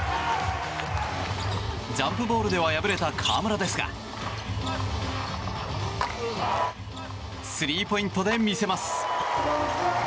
ジャンプボールでは敗れた河村ですがスリーポイントで見せます。